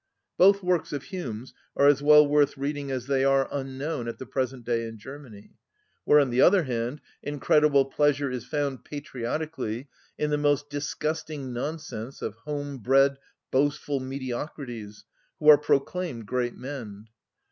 Both works of Hume's are as well worth reading as they are unknown at the present day in Germany, where, on the other hand, incredible pleasure is found, patriotically, in the most disgusting nonsense of home‐ bred boastful mediocrities, who are proclaimed great men.